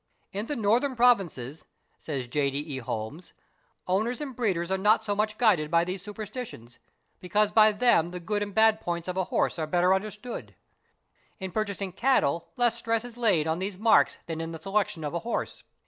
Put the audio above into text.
"In the Northern Provinces"', says J.D.H. Holmes™'™®, " owners and breeders are not so much guided by these superstitions, because by them the good and bad points of a horse are better understood. In purchasing cattle less stress is laid on these marks than in the selection of a horse.